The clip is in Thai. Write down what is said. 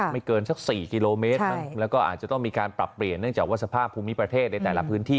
เกินสัก๔กิโลเมตรบ้างแล้วก็อาจจะต้องมีการปรับเปลี่ยนเนื่องจากว่าสภาพภูมิประเทศในแต่ละพื้นที่